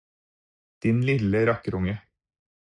Din lille rakkerunge!